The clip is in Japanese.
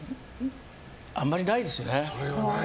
あんまりないですね。